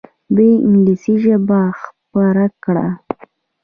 دوی انګلیسي ژبه خپره کړه.